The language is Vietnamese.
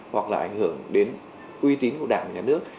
hoặc là ảnh hưởng đến uy tín của đảng và nhà nước